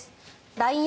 ＬＩＮＥ